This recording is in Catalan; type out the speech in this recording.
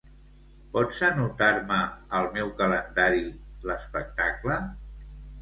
Pots anotar-me al meu calendari l'espectacle?